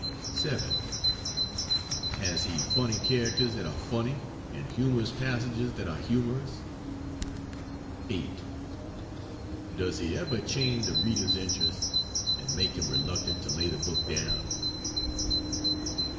7. Has he funny characters that are funny, and humorous passages that are humorous? 8. Does he ever chain the reader's interest, and make him reluctant to lay the book down?